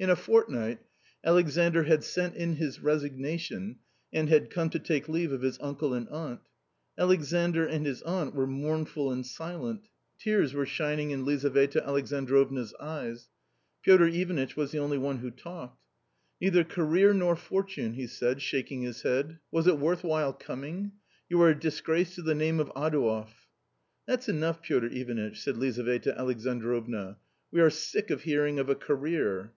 In a fortnight Alexandr had sent in his resignation and had come to fake leave of his uncle and aunt. Alexandr and his aunt were mournful and silent. Tears were shining in Lizaveta Alexandrovna's eyes. Piotr Ivanitch was the only one who talked. " Neither career nor fortune !" he said, shaking his head ;" was it worth while coming ? you are a disgrace to the name of Adouev !" "That's enough, Piotr Ivanitch," said Lizaveta Alex androvna, " we are sick of hearing of a career."